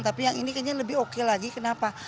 tapi yang ini kayaknya lebih oke lagi kenapa